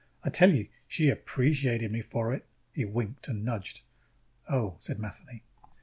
I tell you, she appreciated me for it!" He winked and nudged. "Oh," said Matheny.